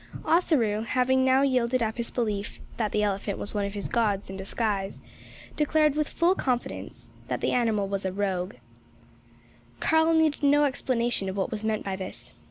Ossaroo, having now yielded up his belief that the elephant was one of his gods in disguise declared with full confidence that the animal was a rogue. Karl needed no explanation of what was meant by this.